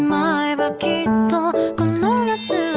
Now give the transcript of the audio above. มีแฟนไหม